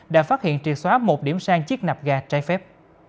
đã phát hiện triệt xóa một điểm sang chiếc nạp gà trái phép